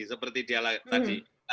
seperti dia tadi